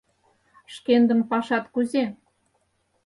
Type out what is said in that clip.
Шкендын пашат кузе?